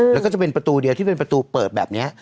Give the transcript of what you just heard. แล้วก็จะเป็นประตูเดียวที่เป็นประตูเปิดแบบนี้